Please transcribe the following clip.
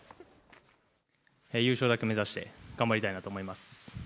優勝だけ目指して頑張りたいなと思います。